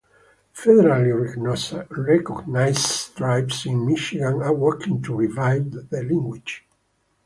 Federally recognized tribes in Michigan are working to revive the language.